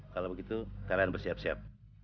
kalau begitu kalian bersiap siap